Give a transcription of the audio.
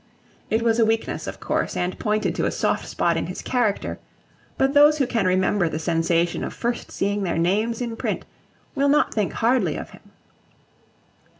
It was a weakness, of course, and pointed to a soft spot in his character; but those who can remember the sensation of first seeing their names in print will not think hardly of him.